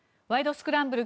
スクランブル」